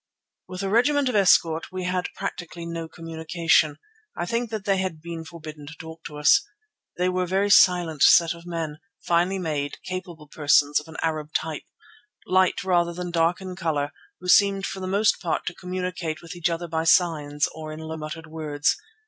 With the regiment of escort we had practically no communication; I think that they had been forbidden to talk to us. They were a very silent set of men, finely made, capable persons, of an Arab type, light rather than dark in colour, who seemed for the most part to communicate with each other by signs or in low muttered words.